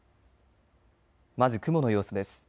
まず雲の様子です。